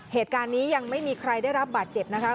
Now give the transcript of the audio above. เหตุการณ์นี้ยังไม่มีใครได้รับบาดเจ็บนะคะ